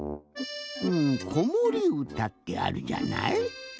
うん「こもりうた」ってあるじゃない？